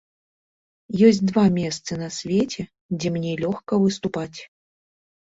Ёсць два месцы на свеце, дзе мне лёгка выступаць.